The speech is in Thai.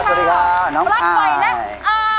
สวัสดีครับน้องไอ